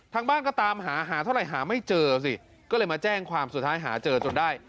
ทางบ้านก็ตามหาหาเท่าไหร่หาไม่เจอสิก็เลยมาแจ้งความสุดท้ายหาเจอจนได้